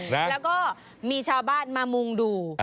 แล้วก็มีชาวบ้านมามุ่งดู